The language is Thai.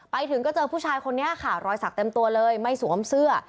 ไปถึงก็เจอผู้ชายคนนี้ค่ะรอยสักเต็มตัวเลยไม่สวมเสื้อ